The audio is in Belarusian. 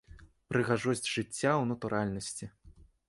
Прыгожасць жыцця ў натуральнасці.